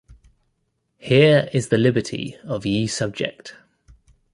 Here is the liberty of ye subject.